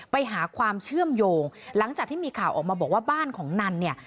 ไปหาความเชื่อมโยงหลังจากที่มีข่าวออกมาบอกว่าบ้านของนันเนี่ย